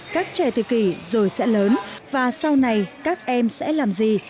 các trẻ tự kỷ rồi sẽ lớn và sau này các em sẽ làm gì